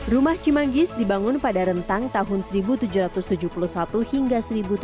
rumah cimanggis dibangun pada rentang tahun seribu tujuh ratus tujuh puluh satu hingga seribu tujuh ratus